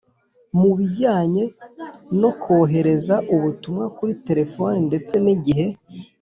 Mu bijyanye no kohereza ubutumwa kuri telefoni ndetse n igihe